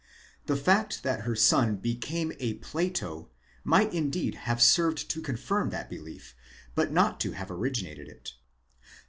'The fact that her son became a Plato might indeed have served to confirm that belief, but not to have originated it.